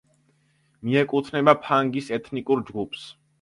მიეკუთვნება ფანგის ეთნიკურ ჯგუფს.